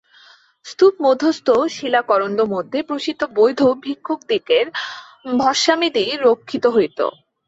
স্তূপমধ্যস্থ শিলাকরণ্ডমধ্যে প্রসিদ্ধ বৌদ্ধ ভিক্ষুকদিগের ভস্মাদি রক্ষিত হইত।